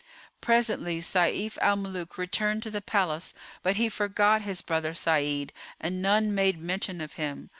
Presently Sayf al Muluk returned to the palace, but he forgot his brother Sa'id, and none made mention of him.